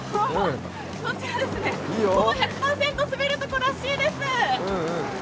ほぼ１００％滑るところらしいです。